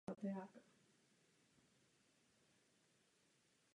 Stanice je orientovaná ve svahu naproti centru města.